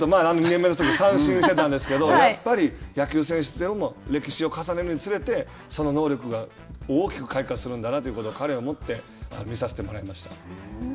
２年目で、三振してたんですけど、やっぱり野球選手というのも歴史を重ねるにつれて、その能力が大きく開花するんだなということを彼をもって、見させてもらいました。